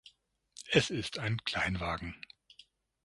Es ist ein Kleinwagen.